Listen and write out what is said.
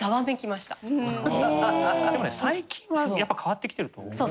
でもね最近はやっぱ変わってきてると思います。